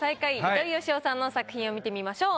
糸井嘉男さんの作品を見てみましょう。